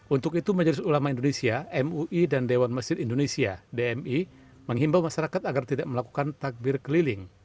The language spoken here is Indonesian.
untuk itu majelis ulama indonesia mui dan dewan mesir indonesia dmi menghimbau masyarakat agar tidak melakukan takbir keliling